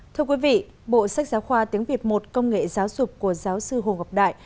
thưa quý vị bộ sách giáo khoa tiếng việt một công nghệ giáo dục của giáo sư hồ ngọc đại